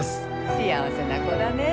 幸せな子だねえ！